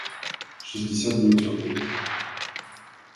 шестьдесят девять рублей